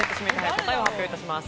答えを発表いたします。